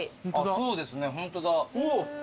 そうですねホントだ。